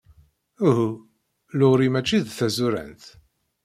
Uhu, Laurie maci d tazurant.